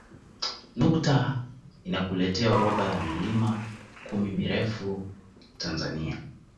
Nukta inakuletea orodha ya milima kumi mirefu Tanzania